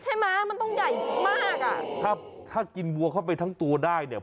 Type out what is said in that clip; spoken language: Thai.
ใช่ไหมมันต้องใหญ่มากอ่ะถ้าถ้ากินวัวเข้าไปทั้งตัวได้เนี่ย